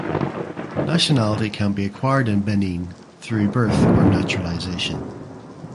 Nationality can be acquired in Benin through birth or naturalization.